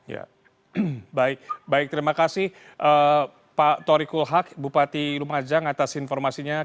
ya baik baik terima kasih pak tori kulhak bupati lumajang atas informasinya